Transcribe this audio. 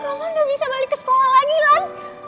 lan roman udah bisa balik ke sekolah lagi lan